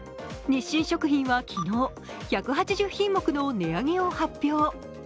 日清食品は昨日、１８０品目の値上げを発表。